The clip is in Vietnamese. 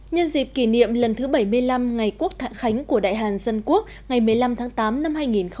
nhân dịp kỷ niệm lần thứ bảy mươi năm ngày quốc thạng khánh của đại hàn dân quốc ngày một mươi năm tháng tám năm hai nghìn hai mươi